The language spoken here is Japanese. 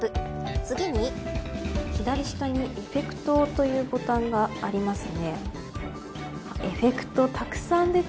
次に左下にエフェクトというボタンがありますね。